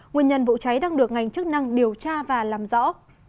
nguyên nhân vụ cháy đang được ngành chức năng điều tra và làm rõ